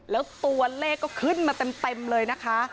แล้วตัวเลขก็ขึ้นมาเต็มเลยนะคะ